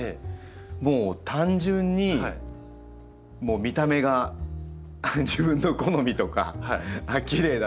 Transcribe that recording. もう単純に見た目が自分の好みとかきれいだなとか。